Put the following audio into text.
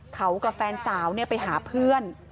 เขากับแฟนสาวไปหาเพื่อน